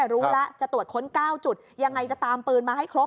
รู้แล้วจะตรวจค้น๙จุดยังไงจะตามปืนมาให้ครบ